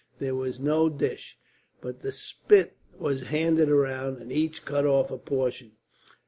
There was no dish, but the spit was handed round, and each cut off a portion.